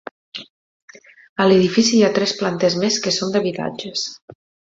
A l'edifici hi ha tres plantes més que són d'habitatges.